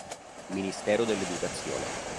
Ministero dell'educazione